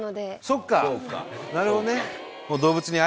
そっかなるほどね。